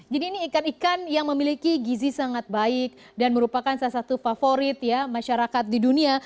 jadi ini ikan ikan yang memiliki gizi sangat baik dan merupakan salah satu favorit ya masyarakat di dunia